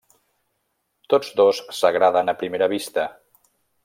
Tots dos s'agraden a primera vista.